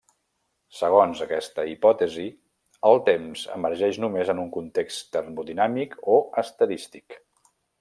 Segons aquesta hipòtesi, el temps emergeix només en un context termodinàmic o estadístic.